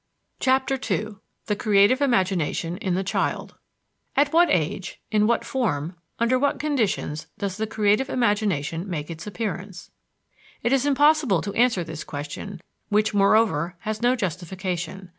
CHAPTER II THE CREATIVE IMAGINATION IN THE CHILD At what age, in what form, under what conditions does the creative imagination make its appearance? It is impossible to answer this question, which, moreover, has no justification.